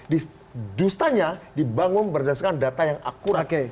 dustanya dibangun berdasarkan data yang akurat